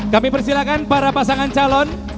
kami persilahkan para pasangan calon